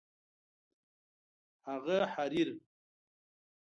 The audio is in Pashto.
هغه حریر